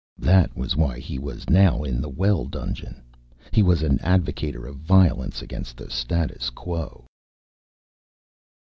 That was why he was now in the well dungeon. He was an advocator of violence against the status quo.